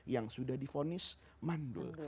yang sudah difonis mandul